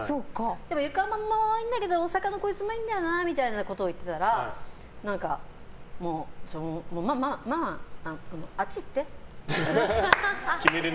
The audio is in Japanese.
でも横浜もいいんだけど大阪のこいつもいいんだよなみたいなことを言ったらママ、あっち行ってって言われて。